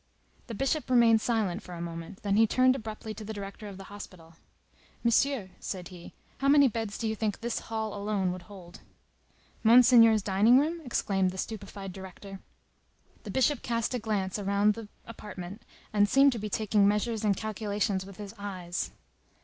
The Bishop remained silent for a moment; then he turned abruptly to the director of the hospital. "Monsieur," said he, "how many beds do you think this hall alone would hold?" "Monseigneur's dining room?" exclaimed the stupefied director. The Bishop cast a glance round the apartment, and seemed to be taking measures and calculations with his eyes.